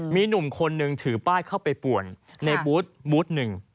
มีหนุ่มคนนึงถือป้ายเข้าไปป่วนในบูธบูธหนึ่ง